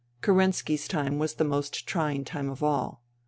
Kerenski's time was the most trying time of all.